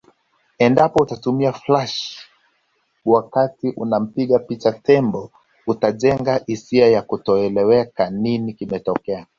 Endapo utatumia flash wakati unampiga picha tembo atajenga hisia ya kutoelewa nini kimetokea